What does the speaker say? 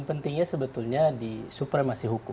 pentingnya sebetulnya di supremasi hukum